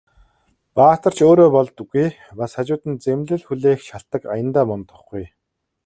Баатар ч өөрөө болдоггүй, бас хажууд нь зэмлэл хүлээх шалтаг аяндаа мундахгүй.